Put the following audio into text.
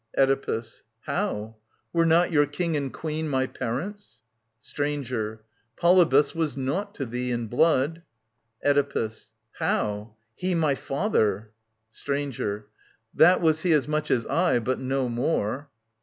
Oedipus. How ? Were not your King and Queen My parents ? Stranger. Polybus was naught to thee In blood. Oedipus. How ? He, my father I Stranger. That was he As much as I, but no more.